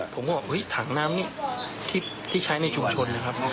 ผมก็บอกถังน้ำนี้ที่ใช้ในชุมชนนะครับ